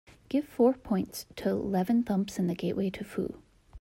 Give four points to Leven Thumps and the Gateway to Foo